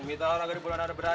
minta allah agar bulan ada berada